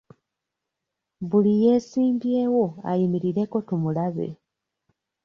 Buli yeesimbyewo ayimirireko tumulabe.